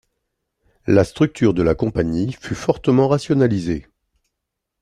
La structure de la compagnie fut fortement rationalisée.